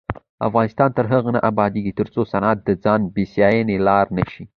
افغانستان تر هغو نه ابادیږي، ترڅو صنعت د ځان بسیاینې لاره نشي.